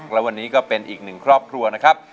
และวันนี้ก็เป็นอีกหนึ่งครอบครัวนะครับ